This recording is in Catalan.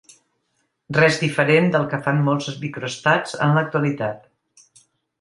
Res diferent del que fan molts microestats en l’actualitat.